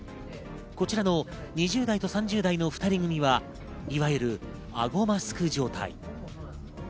こちらの２０代と３０代の２人組みはいわゆるあごマスク状態。